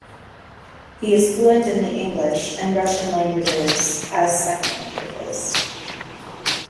He is fluent in the English and Russian languages as second languages.